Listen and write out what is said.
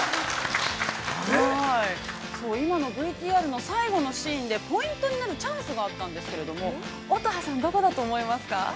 ◆今のＶＴＲの最後のシーンでポイントになるチャンスがあったんですけれども、乙葉さん、どこだと思いますか？